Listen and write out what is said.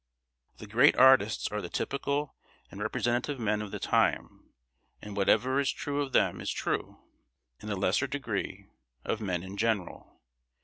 The great artists are the typical and representative men of the race, and whatever is true of them is true, in a lesser degree, of men in general.